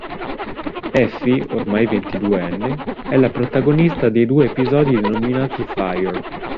Effy, ormai ventiduenne, è la protagonista dei due episodi denominati "Fire".